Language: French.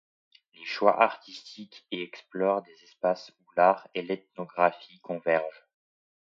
Les choix artistiques y explorent des espaces où l’art et l’ethnographie convergent.